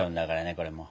これもう！